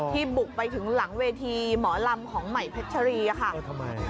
ที่บุกไปถึงหลังเวทีหมอลำของไหมพัชรีอ่ะค่ะเออทำไม